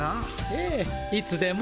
ええいつでも。